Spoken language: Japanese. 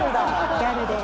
ギャルです。